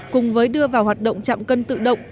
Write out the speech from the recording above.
cùng với đưa vào hoạt động trạm cân tự động